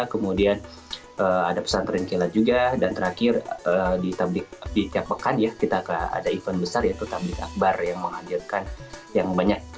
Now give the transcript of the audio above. kemudian ada pesan terinkilah juga dan terakhir di tiap pekan kita ada event besar yaitu tabligh akbar yang menghadirkan yang banyak